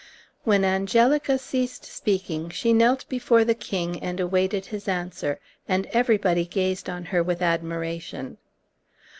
When Angelica ceased sneaking she knelt before the king and awaited his answer, and everybody gazed on her with admiration.